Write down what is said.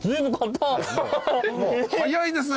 早いですね。